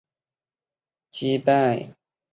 遭齐国击败后消失。